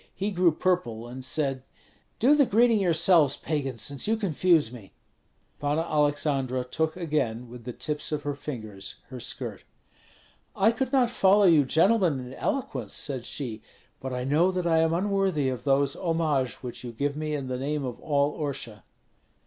He grew purple, and said, "Do the greeting yourselves, pagans, since you confuse me." Panna Aleksandra took again, with the tips of her fingers, her skirt. "I could not follow you gentlemen in eloquence," said she, "but I know that I am unworthy of those homages which you give me in the name of all Orsha."